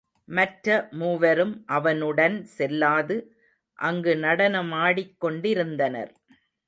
மற்ற மூவரும் அவனுடன் செல்லாது அங்கு நடனமாடிக் கொண்டிருந்தனர்.